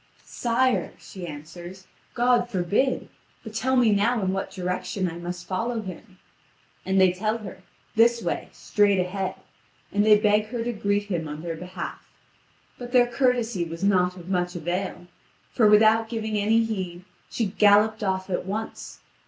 "Sire," she answers, "God forbid. But tell me now in what direction I must follow him." And they tell her: "This way, straight ahead," and they beg her to greet him on their behalf. But their courtesy was not of much avail; for, without giving any heed, she galloped off at once.